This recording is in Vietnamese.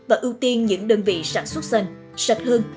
và ưu tiên những đơn vị sản xuất xanh sạch hơn